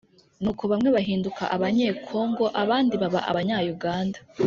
nuko bamwe bahinduka abanyekongo, abandi baba abanya-uganda.